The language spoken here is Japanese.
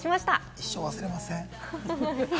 一生、忘れません。